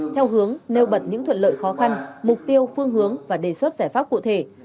theo hướng nêu bật những thuận lợi khó khăn mục tiêu phương hướng và đề xuất giải pháp cụ thể